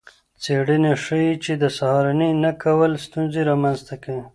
څیړنې ښيي چې د سهارنۍ نه کول ستونزې رامنځته کوي.